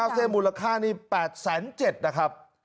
๒๙เส้นมูลค่า๘๗๐๐๐๐นะครับ